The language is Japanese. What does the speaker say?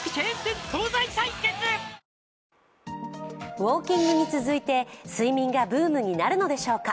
ウォーキングに続いて睡眠がブームになるのでしょうか。